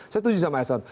saya setuju sama econ